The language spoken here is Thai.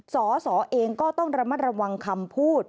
สสเองก็ต้องระมัดระวังคำพูด